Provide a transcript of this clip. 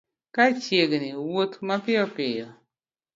Ka chiegni wuoth mapiyo piyo